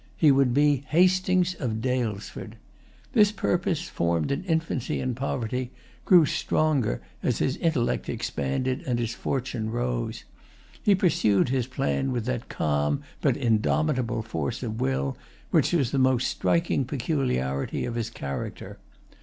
He would be Hastings of Daylesford. This purpose, formed in infancy and poverty, grew stronger as his intellect expanded and as his fortune rose. He pursued his plan with that calm but indomitable force of will which was the most striking peculiarity of his character.